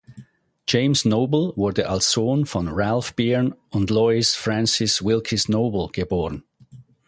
James Noble wurde als Sohn von Ralph Byrne und Lois Frances Wilkes Noble geboren.